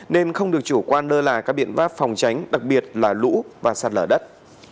nên không được chủ quan lơ là các biện pháp phòng tránh đặc biệt là lũ và sạt lở đất